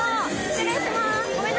失礼します。